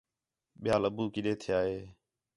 ٻِیال ابو کݙّے تِھیا ہے